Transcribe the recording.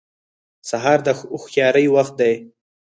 سهار د هوښیارۍ وخت دی.